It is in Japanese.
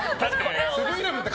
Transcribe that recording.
セブン‐イレブンって